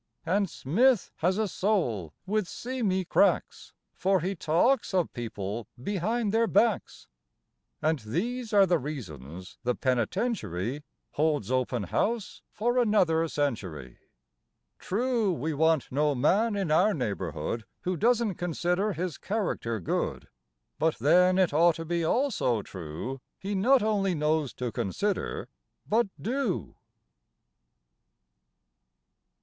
And Smith has a soul with seamy cracks, For he talks of people behind their backs!" And these are the reasons the penitentiary Holds open house for another century. True, we want no man in our neighborhood Who doesn't consider his character good, But then it ought to be also true He not only knows to consider, but do.